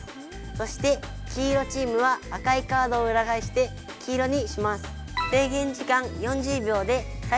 そして黄色チームは赤いカードをうら返して黄色にします。